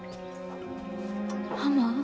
ママ？